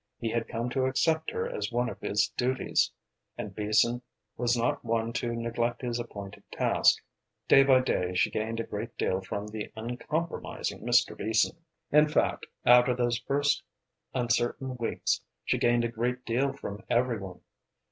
He had come to accept her as one of his duties, and Beason was not one to neglect his appointed task. Day by day she gained a great deal from the uncompromising Mr. Beason. In fact, after those first uncertain weeks, she gained a great deal from every one.